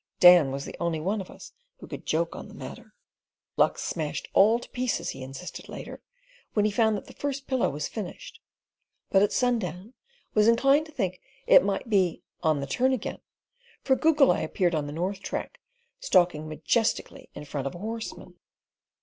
(Dan was the only one of us who could joke on the matter.) "Luck's smashed all to pieces," he insisted later, when he found that the first pillow was finished; but at sundown was inclined to think it might be "on the turn again," for Goggle Eye appeared on the north track, stalking majestically in front of a horseman.